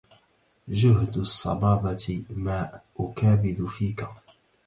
جهد الصبابة ما أكابد فيك